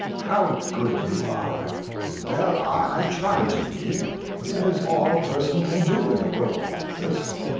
'How good you are!' 'Well, I try to be. It is all a person can do in a world like this.'